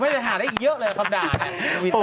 ไม่จาหาได้อีกเยอะเลยคำด่าย